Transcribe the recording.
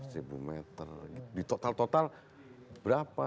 ribu meter di total total berapa